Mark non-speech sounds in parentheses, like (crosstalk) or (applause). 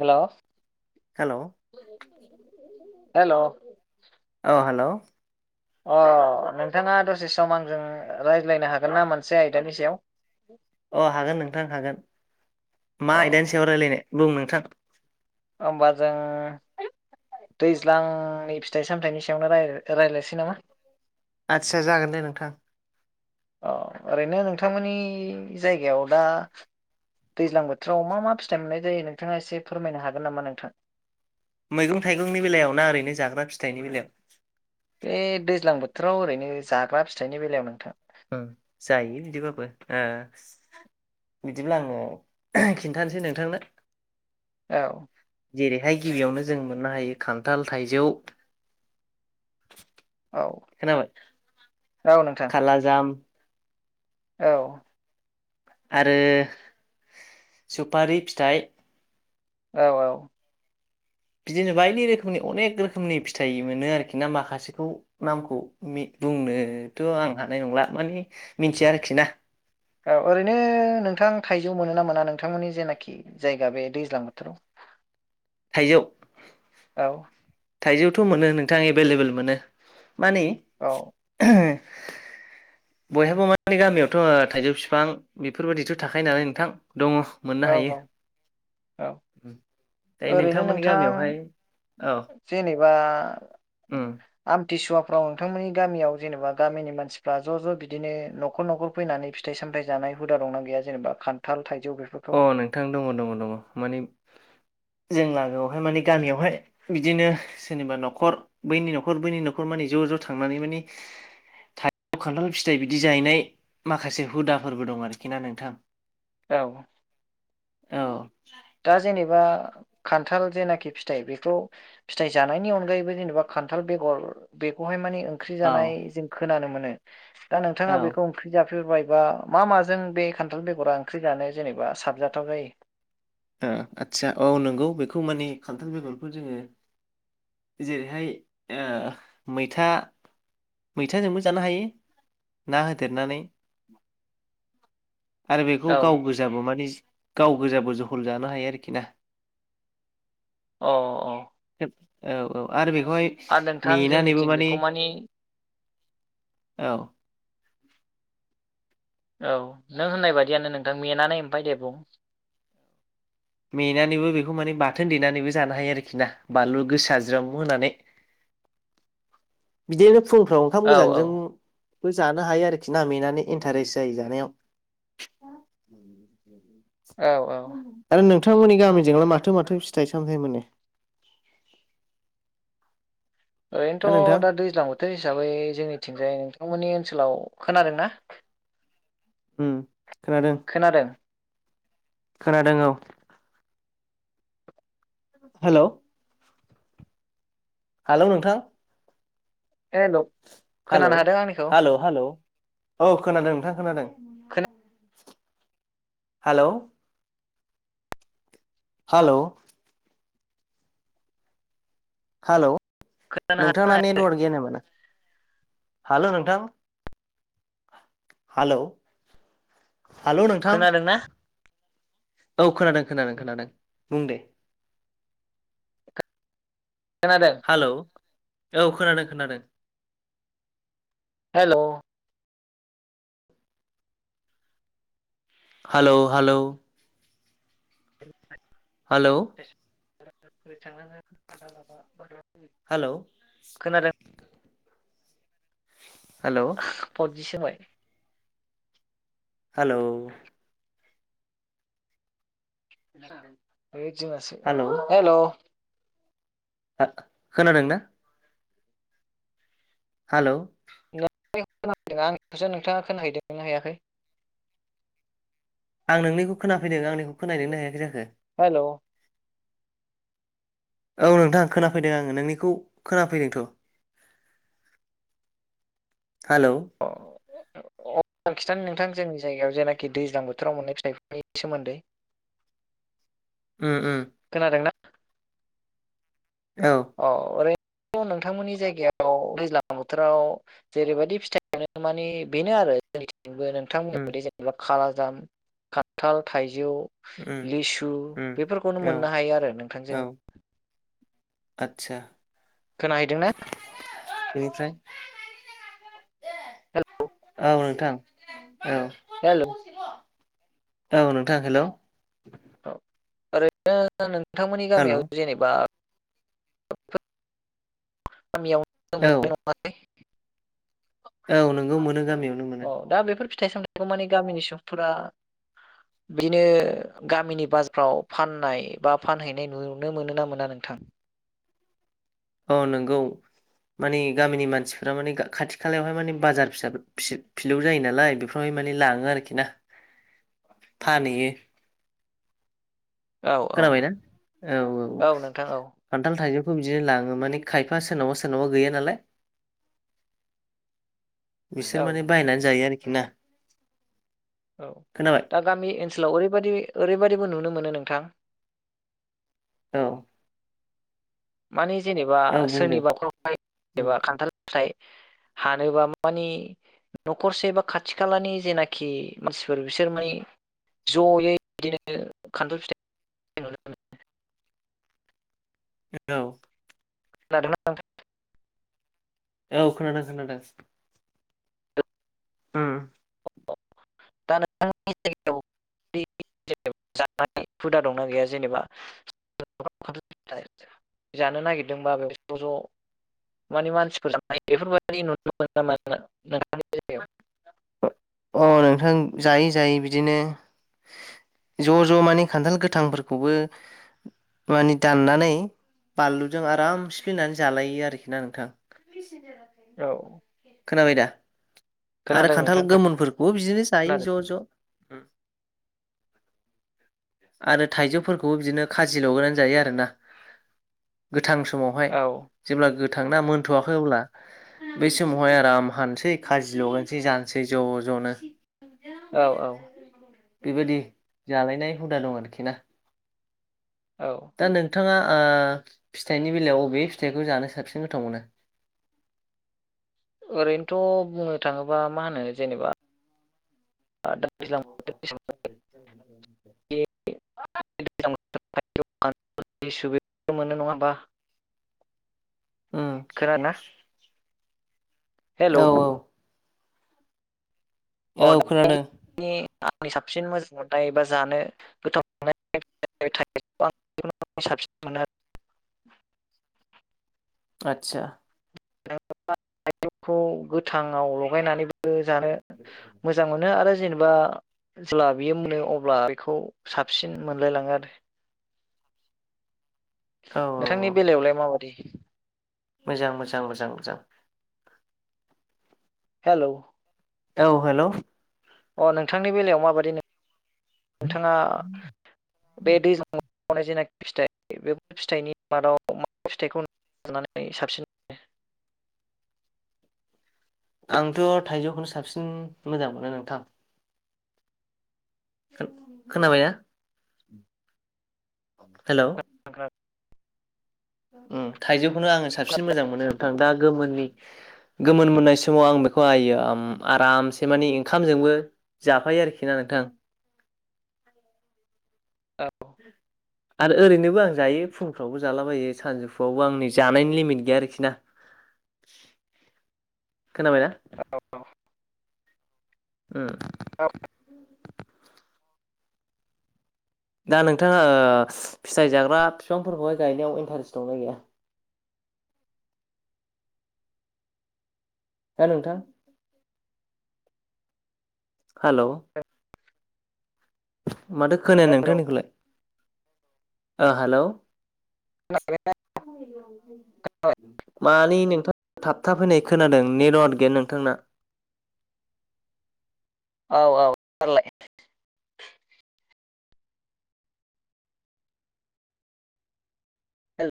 Hello hello hello. औ hello अह नोंथाङा दसे सम आंजों रायज्लायनो हागोन ना मोनसे आयदानि सायाव। (inaudible) अ हागोन नोंथां हागोन। मा अ आयदानि सायाव रायलायनो बुं नोंथां। ओमबा जों दैज्लांनि फिथाइ सामथाइनि सायावनो राय-रायलायनोसै नामा? आदसा जागोन दे नोंथां। अ ओरैनो नोंथांमोननि जायगायाव दा दैज्लां बोथोराव मा मा फिथाइ मोननाय जायो नोंथाङा एसे फोरमायनो हागोन नामा नोंथां? मैगं थाइगंनि बेलायाव ना ओरैनो जाग्रा फिथाइनि बेलायाव? बे दैज्लां बोथोराव ओरैनो जाग्रा फिथाइनि बेलायाव नोंथां ओ जायो बिदिबाबो ओ बिदिब्ला आंङो खिन्थानोसै नोंथांनो औ जेरैहाय गिबियावनो जों मोननो हायो खान्थाल थाइजौ औ खोनाबाय औ नोंथां खाला जाम औ आरो सुपारि फिथाइ औ औ बिदिनो बायदि रोखोमनि अनेक रोखोमनि फिथाइ मोनो आरोखि ना माखासेखौ नामखौ बुंनोथ' आं हानाय नंला माने मिनथिया आरोखि ना औ ओरैनो नोंथां थाइजौ मोनो ना मोना नोंथांमोननि जेनाखि जायगा बे दैज्लां बोथोराव (inaudible) थाइजौ औ थाइजौथ' मोनो नोंथां एभेल लेबेल मोनो माने औ ओह्रो (inaudible) बयहाबो माने गामियावथ' थाइजौ बिफां बेफोरबायदिथ' थाखायो नालाय नोंथां दङ औ मोननो हायो औ औ ओइ ओरैनो नोंथांमोननि नोंथां गामियावहाय औ जेनेबा उम आम- दिसुवाफ्राव नोंथांमोननि गामियाव जेनेबा गामिनि मानसिफ्रा ज' ज' बिदिनो नखर नखर फैनानै फिथाइ स सामथाय जानाय हुदा दंना गैया जेनेबा खान्थाल थाइजौ बेफोरखौ अ नोंथां दङ दङ दङ माने जों लागोआवहाय मानिे गामियावहाय बिदिनो सोरनिबा न'खर बैनि न'खर बैनि न'खर मानिे ज' ज' ज' थांनानै माने थाइजौ खान्थाल फिथाइ बिदि जाहैनाय माखासे हुदाफोरबो दं आरोखि ना नोंथां औ औ दा जेनेबा खान्थाल जेनाखि फिथाइ बेखौ फिथाइ जानायनि अनगायैबो जेनेबा खान्थाल बेगर बेखौहाय माने ओंख्रि औ जानाय जों खोनानो मोनो दा औ नोंथाङा बेखौ ओंख्रि बेफोरबायबा मा माजों बे खान्थाल बेगरा ओंख्रि जानो जेनेबा साबजाथाव जायो ओ आटचसा औ नंगौ बेखौ माने खान्थाल बेगरखौ जोङो जेरैहाय ओ मैथा मैथाजोंबो जानो हायो ना होदेरनानै (inaudible) आरो बेखौ गाव गोजाबो मानि गाव गोजाबो जहल जानो हायो आरोखि ना अ अ औ औ आरो बेखौहाय आरो नोंथां मेनानैबो जोंनिथिं माने बेखौ मानि औ औ नों होननाय बादियानो नोंथां मेनानै ओमफ्राय दे बुं मेनानैबो बेखौ माने बाथोन देनानैबो जानो हायो आरोखि ना बानलु गोसा ज्रोम होनानै (inaudible) बिदिनो फुंफ्राव ओंखाम औ औ गोजांजों । जानो हायो आरोखि ना मेनानै इन्टारेस्ट जायो जानायाव। औ औ आरो नोंथांमोननि गामिजोंलाय माथो माथो फिथाइ सामथाइ मोनो? ना नोंथां ओरैनोथ' दा दैज्लां बोथोर हिसाबै जोंनिथिंजाय नोंथांमोननि ओनसोलाव खोनादों ना? हम। खोनादों? खोनादों औ। हेल'। हालौ नोंथां। हेल' हालौ खोनानो हादों आंनिखौ हालौ हालौ औ खोनादों नोंथां खोनादों। खोना हालौ। हाल'। हालौ नोंथाङा नेटवार्क गैया नामा? हेलौ नोंथां। हालौ हालौ नोंथां। खोनादोंना औ खोनादों खोनादों खोनादों बुं दे। खोनांदों। हेलौ औ खोनादों खोनादों। Hello. Hello hello. Hello. (unintelligible) Hello. खोनादों परस होबाय। हेलौ । ओद जोंहासोहेऔ'। खोनादों ना? हेलौ। (unintelligible) आंनिखौसो नोंथाङा खोनाहैदों ना हैयाखै? आं नोंनिखौ खोनाफैदों आंनिखौ खोनाहैदोंना हैयाखै जाखो? हेलौ। औ नोंथां खोनाफैदों आङो नोंनिखौ खोनाफैदोंथ'। (inaudible) हेलौ। अ आं खिथानि नोंथां जोंनि जायगायाव जेनाखि दैज्लां बोथोराव मोननै फिथाइनि सोमोन्दै। (inaudible) ओ ओ। खोनादोंना? औ अ ओरै नोंथांमोननि जायगायाव दैज्लां बोथोराव जेरैबायदि फिथाइ मोनो मानि बेनो आरो जोंनिबो नोंथांमोननि उम बायदि जेनेबा खालाजाम खान्थाल थाइजौ। उम लिसु उम बेफोरखौनो औ मोननो हायो आरो नोंथांजों आतसा। खोनाहैदों ना? बेनिफ्राय औ नोंथां औ। हेल'। औ नोंथां हेलौ। औ ओरैनो नोंथांमोननि हेलौ गामियाव जेनेबा गामियाव औ (unintelligible) औ नोंगौ मोनो गामियावनो अ मोनो। दा बेफोर फिथाइ सामथाइखौ माने गामिनि सुबुंफोरा बिदिनो गामिनि बाजारफ्राव फाननाय बा फानहैनाय नुनो मोनो ना मोना नोंथां नोंथां औ नंगौ माने गामिनि मानसिफोरा माने खाथि खालायावहाय माने बाजार फिसा फिलौ जायो नालाय बेफ्रावहाय माने लाङो आरोखि ना (inaudible) फानहैयो औ औ खोनाबायना औ औ नोंथां औ खानथाल थाइजौ खौ बिदिनो लाङो माने खायफा सोरनावबा सोरनावबा गैया नालाय बिसोर औ माने बायनानै जायो आरोखि ना औ खोनाबाय दा गामि ओनसोलाव ओरैबायदि ओरैबायदिबो नुनो मोन मोनो नोंथां औ माने जेनेबा औ बुंदों सोरनिबा नखर (unintelligible) उम जेनेबा खानथाल फिथाय हानोबा मानि न'खरसे बा खाथि खालानि जेनाखि मानसिफोर बिसोर माने जयै बिदिनो खानथाल फिथाइ औ खोनादोंना नोंथां औ खोनादों खानादों (unintelligible) (unintelligible) जानाय हुदा दंना गैया जेनेबा (unintelligible) जानो नागिरदोंबाबो ज' ज' माने मानसिफोरजोंनाय बेफोरबायदि नुनो मोनो नामा नोंथांनि जायगायाव अ नोंथां जायै जायै बिदिनो ज' ज' माने खानथाल गोथांफोरखौबो माने दाननानै बानलुजों आराम सिफलिनानै जालायो आरोखि ना नोंथां औ खोनाबाय दा आरो खोनादों खानथाल नोंथां गोमोनफोरखौबो बिदिनो जायो खोनादों ज' ज' (inaudible) आरो थाइजौफोरखौबो बिदिनो खाजि लगायनानै जायो आरोना गोथां समावहाय औ जेब्ला गोथ थांना मोनथ'वाखै अब्ला बै समावहाय आराम हानसै खा जि लगायनोसै जानोसै ज' ज'नो औ औ बेबायदि जालायनाय हुदा दं आरोखि ना औ दा नोंथाङा फिथाइनि बेलायाव बबे फिथाइखौ जानो साबसिन गोथाव मोनो ओरैनोथ' बुंनो थाङोबा मा होनो जेनेबा दा दैज्लां बोथोर हिसाबै (unintelligible) (unintelligible) मोनो नङा होमबा उ खोनादों ना? हेलौ औ औ अ औ दा खोनादों। आंनि साबसिन मोजां मोननाय एबा जानो गोथाव मोननाय (unintelligible) साबसिन मोनो आतसा (unintelligible) थाइजौखौ गोथांआव लगायनानैबो जानो मोजां मोनो आरो जेनेबा जेब्ला बियो मोनो अब्ला बेखौ साबसिन मोनलायलाङो आरो औ नोंथांनि औ बेलायावलाय माबायदि मोजां मोजां मोजां मोजां हेल' औ हेल' अ नोंथांनि बेलायाव माबायदि नोंथाङा बे दैज्लां (unintelligible) जेनाखि फिथाइ बेफोर फिथाइनि मादाव मा फिथाइखौ (unintelligible) (unintelligible) साबसिन आंथ' थाइजौखौनो साबसिन मोजां मोनो नोंथां। खोनाबायना? हेलौ। मोनो? ओ थाइजौखौनो आङो साबसिन मोजां मोनो नोंथां, दा गोमोननि गोमोन मोननाय समाव आं बेखौ आइयो आरामसे माने ओंखामजोंबो जाफायो आरोखि ना नोंथां औ (inaudible) आरो ओरैनोबो आं जायो फुंफ्रावबो जालाबायो सानजौफुआवबो आं नै जानायनि लिमिट गैया आरोखि ना। (inaudible) खोनाबायना औ ओ दा नोंथाङा फिथाइ जाग्रा बिफांफोरखौहाय गायनायाव इन्टारेस्ट दंना गैया? हो नोंथां हेल' माथो खोनाया हेलौ नोंथांनिखौलाय हेल' (inaudible) मानि नोंथां थाबथा फैनाय खोनादों नेटवार्ट गेट नोंथांना औ औ (inaudible) हेल'